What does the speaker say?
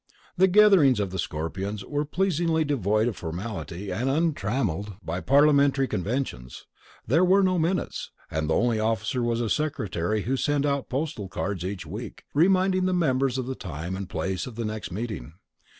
The gatherings of the Scorpions were pleasingly devoid of formality, and untrammeled by parliamentary conventions. There were no minutes, and the only officer was a secretary who sent out postal cards each week, reminding the members of the time and place of the next meeting.